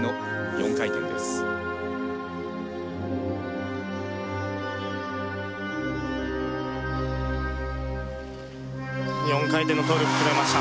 ４回転のトーループ決めました。